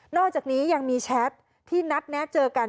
อกจากนี้ยังมีแชทที่นัดแนะเจอกัน